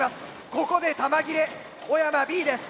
ここで弾切れ小山Ｂです。